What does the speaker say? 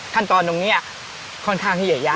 ขั้นตอนตรงเนี่ยค่อนข้างที่จะยาก